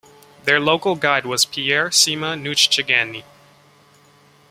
Their local guide was Pierre Sima Noutchegeni.